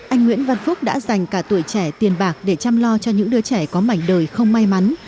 anh nguyễn văn phúc đã dành cả tuổi trẻ tiền bạc để chăm lo cho những đứa trẻ có mảnh đời không may mắn